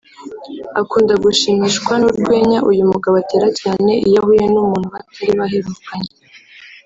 akunda gushimishwa n’urwenya uyu mugabo atera cyane iyo ahuye n’umuntu batari baherukanye